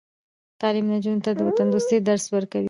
تعلیم نجونو ته د وطندوستۍ درس ورکوي.